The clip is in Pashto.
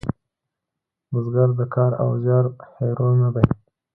بزګر د کار او زیار هیرو نه دی